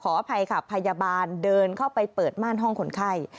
อภัยค่ะพยาบาลเดินเข้าไปเปิดม่านห้องคนไข้